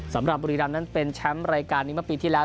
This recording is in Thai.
สำหรับบุรีรำนั้นเป็นแชมป์รายการนี้เมื่อปีที่แล้ว